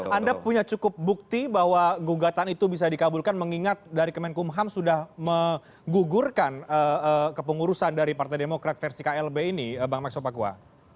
jadi bahwa gugatan itu bisa dikabulkan mengingat dari kemenkumham sudah menggugurkan kepengurusan dari partai demokrat versi klb ini bang maksopakwa